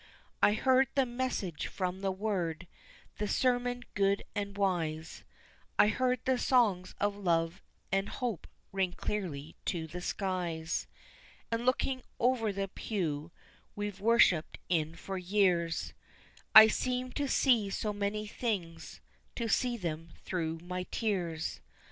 I heard the message from the Word, the sermon good and wise, I heard the songs of love and hope ring clearly to the skies; And looking over to the pew we've worshipped in for years, I seemed to see so many things, to see them through my tears.